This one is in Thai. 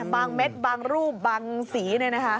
บางเม็ดบางรูปบางสีเลยนะฮะ